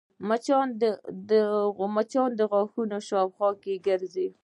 مچان د غاښونو شاوخوا ګرځي